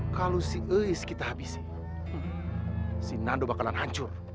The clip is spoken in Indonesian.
kalau si is kita habisin si nando bakalan hancur